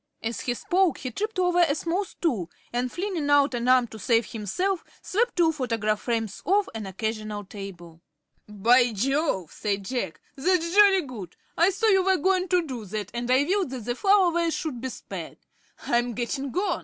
As he spoke he tripped over a small stool and, flinging out an arm to save himself, swept two photograph frames off an occasional table. "By Jove," said Jack, "that's jolly good. I saw you were going to do that, and I willed that the flower vase should be spared. I'm getting on."